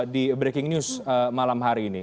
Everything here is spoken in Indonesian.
di breaking news malam hari ini